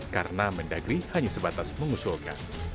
karena mendagri hanya sebatas mengusulkan